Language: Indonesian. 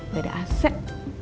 gak ada aset